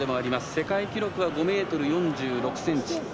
世界記録は５ｍ４６ｃｍ。